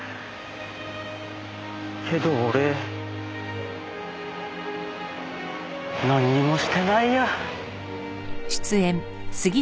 けど俺なんにもしてないや。